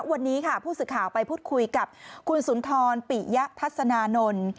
วันนี้ค่ะผู้สื่อข่าวไปพูดคุยกับคุณสุนทรปิยะทัศนานนท์